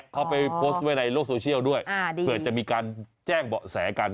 เขาไปโพสต์ไว้ในโลกโซเชียลด้วยเผื่อจะมีการแจ้งเบาะแสกัน